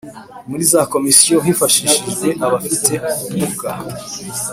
Muri za Komisiyo hafashijwe abafite umuga